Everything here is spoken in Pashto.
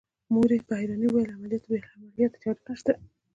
مور يې په حيرانۍ وويل عمليات بې له عملياته بله چاره نشته.